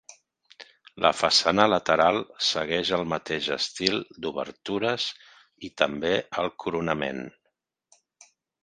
La façana lateral segueix el mateix estil d'obertures i també el coronament.